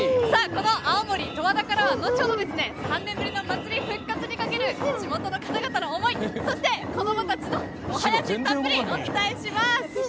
この青森県十和田からは後ほど、３年ぶりの祭り復活にかける地元の方々の思いそして、子どもたちのお囃子たっぷりお伝えします。